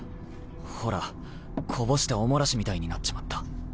ほらこぼしてお漏らしみたいになっちまった。